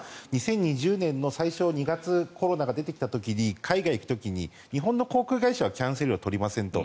これは２０２０年の２月の最初にコロナが出てきた時に海外に行く時には日本の旅行会社はキャンセル料を取りません。